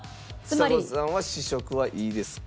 ちさ子さんは試食はいいですか？